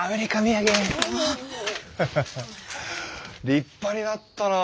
立派になったな。